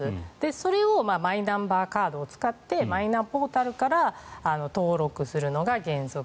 それをマイナンバーカードを使ってマイナポータルから登録するのが原則。